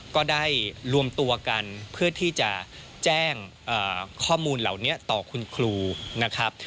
ก็ได้รวมตัวกันเพื่อที่จะแจ้งข้อมูลเหล่านี้ต่อคุณครูนะครับ